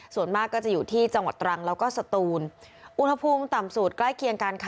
ส่วนมากก็จะอยู่ที่จังหวัดตรังแล้วก็สตูนอุณหภูมิต่ำสุดใกล้เคียงกันค่ะ